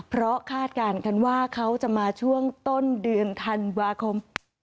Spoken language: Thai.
เพราะคาดการณ์กันว่าเขาจะมาช่วงต้นเดือนธันวาคม